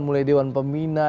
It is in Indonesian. mulai dewan pemina